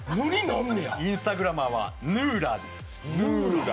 インスタグラマーはヌーラー。